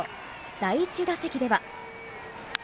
第１打席では。